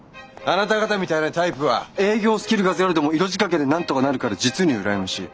あなた方みたいなタイプは営業スキルがゼロでも色仕掛けでなんとかなるから実に羨ましい。